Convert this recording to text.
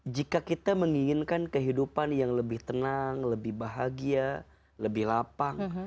jika kita menginginkan kehidupan yang lebih tenang lebih bahagia lebih lapang